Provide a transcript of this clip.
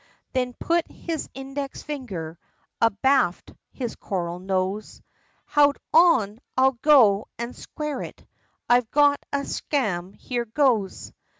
Then put his index finger, abaft his coral nose, "Howld on! I'll go, an' square it, I've got a schame, here goes!"